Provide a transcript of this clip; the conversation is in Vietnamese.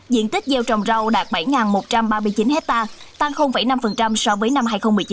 diện tích gieo trồng rau đạt bảy một trăm ba mươi chín hectare tăng năm so với năm hai nghìn một mươi chín